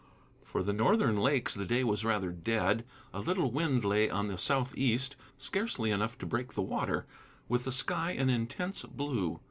For the northern lakes the day was rather dead: a little wind lay in the southeast, scarcely enough to break the water, with the sky an intense blue.